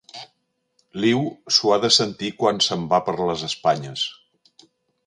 L'Iu s'ho ha de sentir quan se'n va per les Espanyes.